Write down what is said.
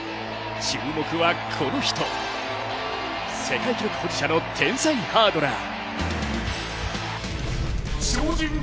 注目はこの人、世界記録保持者の天才ハードラー。